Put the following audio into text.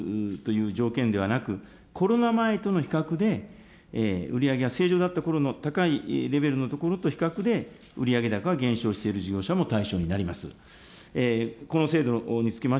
これを利用すると、前年比の売上高の５％減少するという条件ではなく、コロナ前との比較で、売り上げが正常だったころの高いレベルのところと比較で、売上高が減少している事業者も対象になります。